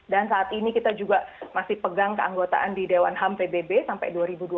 dan saat ini kita juga masih pegang keanggotaan di dewan ham pbb sampai dua ribu dua puluh dua